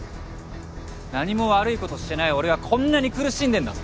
何も悪いことしてない俺はこんなに苦しんでんだぞ。